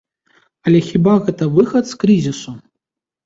Але хіба гэта выхад з крызісу?